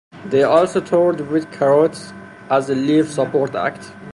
They also toured with Carrott as a live support act.